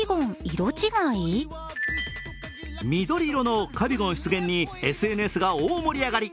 緑色のカビゴン出現にＳＮＳが大盛り上がり。